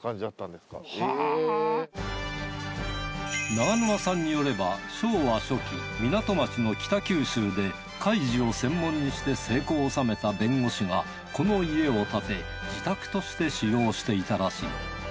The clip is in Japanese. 永沼さんによれば昭和初期港町の北九州で海事を専門にして成功を収めた弁護士がこの家を建て自宅として使用していたらしい。